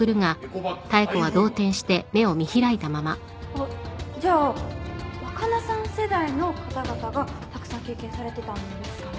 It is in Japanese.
あっじゃあ若菜さん世代の方々がたくさん経験されてたんですかね？